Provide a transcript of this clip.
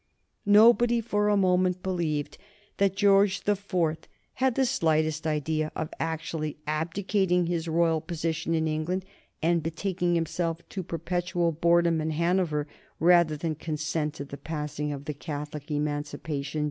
Nobody for a moment believed that George the Fourth had the slightest idea of actually abdicating his royal position in England and betaking himself to perpetual boredom in Hanover rather than consent to the passing of Catholic Emancipation.